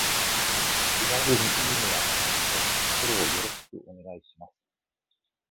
気軽にいいねやコメント、フォローよろしくお願いします。